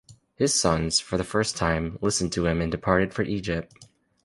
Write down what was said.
His sons, for the first time, listened to him and departed for Egypt.